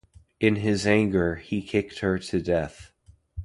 In his anger, he kicked her to death.